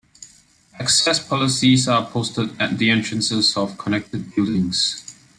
Access policies are posted at the entrances of connected buildings.